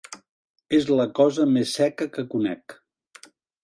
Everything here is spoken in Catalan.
És la cosa més seca que conec.